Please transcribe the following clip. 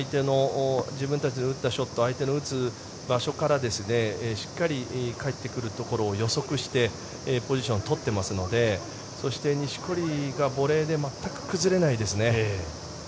自分たちの打ったショット相手の打つ場所からしっかり返ってくるところを予測してポジションを取っていますのでそして錦織がボレーで全く崩れないですね。